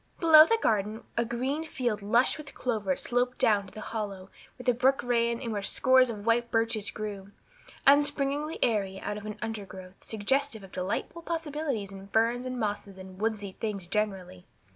Below the garden a green field lush with clover sloped down to the hollow where the brook ran and where scores of white birches grew, upspringing airily out of an undergrowth suggestive of delightful possibilities in ferns and mosses and woodsy things generally.